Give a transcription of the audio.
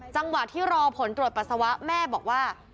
จังหวะที่รอผลตรวจปัสสาวะแม่บอกว่า